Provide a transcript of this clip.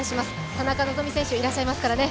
田中希実選手いらっしゃいますからね。